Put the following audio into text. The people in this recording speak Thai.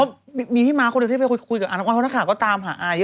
เพราะมีพี่มาท์คนเดียวที่ไปคุยกับอาหารก็ตามหาอายุ